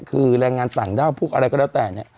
คือแรงงานต่างด้าวพวกอะไรก็แล้วแต่เนี่ย